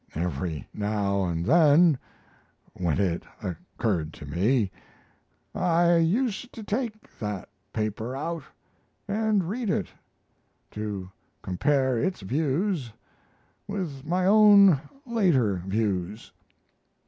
Every now and then, when it occurred to me, I used to take that paper out and read it, to compare its views with my own later views.